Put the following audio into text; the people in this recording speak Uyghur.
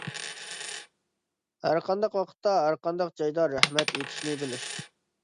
ھەر قانداق ۋاقىتتا ھەر قانداق جايدا رەھمەت ئېيتىشنى بىلىش.